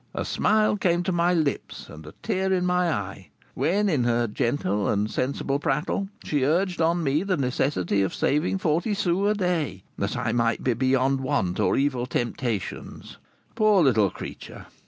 A smile came to my lips, and a tear in my eye, when, in her gentle and sensible prattle, she urged on me the necessity of saving forty sous a day, that I might be beyond want or evil temptations. Poor little creature!